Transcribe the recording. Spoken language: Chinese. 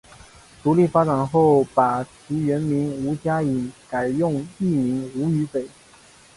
独立发展后把其原名吴家颖改用艺名吴雨霏。